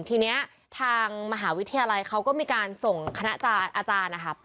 ทีนี้ทางมหาวิทยาลัยเขาก็มีการส่งคณะอาจารย์นะครับ